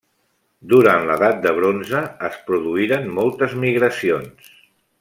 Durant l'edat de bronze es produïren moltes migracions.